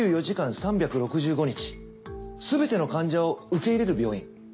２４時間３６５日すべての患者を受け入れる病院。